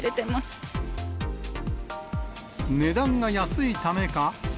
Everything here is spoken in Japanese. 値段が安いためか。